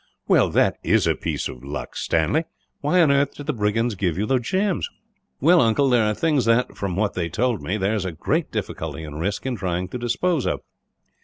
"Well, that is a piece of luck, Stanley! Why on earth did the brigands give you the gems?" "Well, uncle, they are things that, from what they told me, there is great difficulty and risk in trying to dispose of.